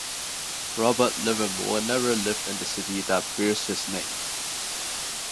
Robert Livermore never lived in the city that bears his name.